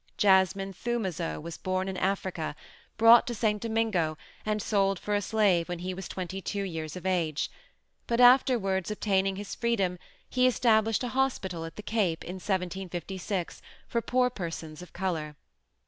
"Jasmin Thoumazeau was born in Africa, brought to St. Domingo and sold for a slave when he was 22 years of age, but afterwards obtaining his freedom he established a Hospital at the Cape, in 1756 for poor persons of color.